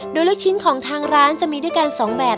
โดยลูกชิ้นของทางร้านจะมีด้วยกัน๒แบบ